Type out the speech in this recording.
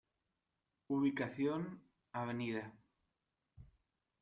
Ubicación: Av.